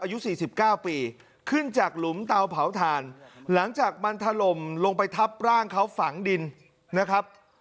อายุ๔๙ปีขึ้นจากหลุมเตาเผาถ่านหลังจากมันถล่มลงไปทับร่างเขาฝังดินนะครับ